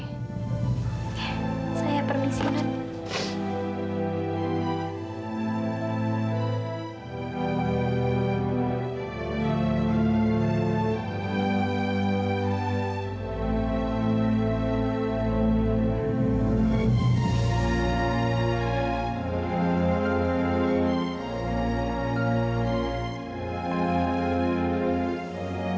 oke saya permisi nont